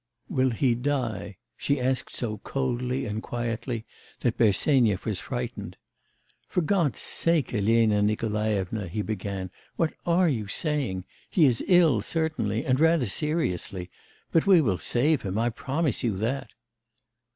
'Will he die?' she asked so coldly and quietly that Bersenyev was frightened. 'For God's sake, Elena Nikolaevna,' he began, 'what are you saying? He is ill certainly and rather seriously but we will save him; I promise you that.